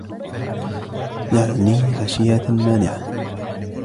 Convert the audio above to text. يَعْنِي عَشِيرَةً مَانِعَةً